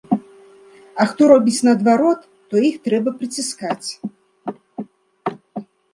А хто робіць наадварот, то іх трэба прыціскаць.